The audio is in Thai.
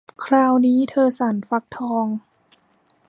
คราวนี้เธอสั่นฟักทอง